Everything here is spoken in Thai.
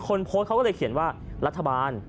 คนโพสต์เขาก็เลยเขียนว่า